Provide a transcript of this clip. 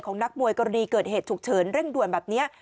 นักมวยกรณีเกิดเหตุฉุกเฉินเร่งด่วนแบบนี้